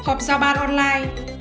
hợp giao ban online